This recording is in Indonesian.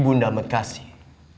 ibu nambet kasih